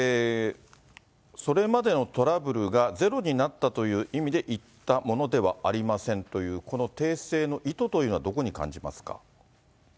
それまでのトラブルがゼロになったという意味で言ったものではありませんという、この訂正の意図というのはどこに感じますか。